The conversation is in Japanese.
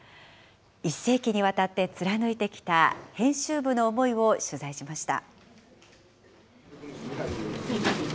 １世紀にわたって貫いてきた編集部の思いを取材しました。